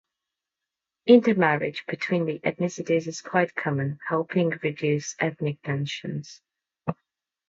Intermarriage between the ethnicities is quite common, helping reduce ethnic tensions.